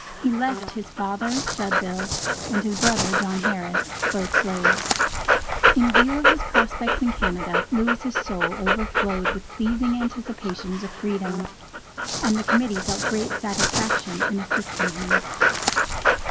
He left his father (Judville), and his brother, John Harris, both slaves. In view of his prospects in Canada, Lewis' soul overflowed with pleasing anticipations of freedom, and the Committee felt great satisfaction in assisting him.